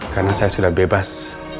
karena saya sudah bebas